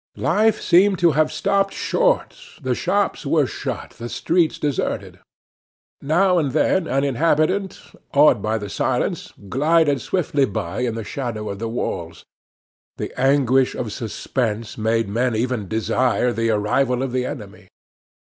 Life seemed to have stopped short; the shops were shut, the streets deserted. Now and then an inhabitant, awed by the silence, glided swiftly by in the shadow of the walls. The anguish of suspense made men even desire the arrival of the enemy.